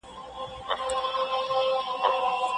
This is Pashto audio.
کشکي چي نه وای دېغ سوی .